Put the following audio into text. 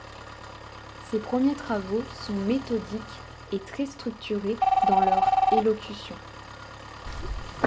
Ses premiers travaux sont méthodiques et très structurés dans leur élocution.